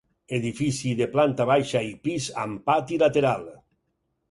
Edifici de planta baixa i pis amb pati lateral.